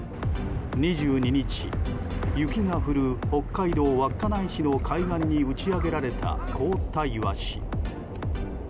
２２日、雪が降る北海道稚内市の海岸に打ち上げられた凍ったイワシ。